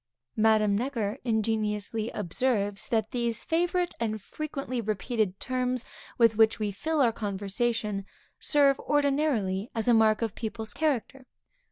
Madame Necker ingeniously observes that these favorite and frequently repeated terms with which we fill our conversation, serve, ordinarily as a mark of people's character.